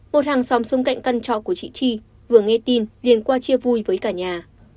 một hàng xóm xung quanh căn trọ của chị chi vừa nghe tin liên qua chia vui với cả nhà